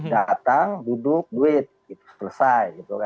datang duduk duit selesai